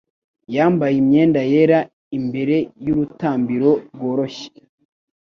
yambaye imyenda yera imbere y'urutambiro rworoshye